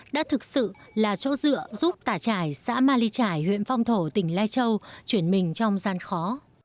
đã thực sự là chỗ dựa giúp tà trải xã ma ly trải huyện phong thổ tỉnh lai châu chuyển mình trong gian khó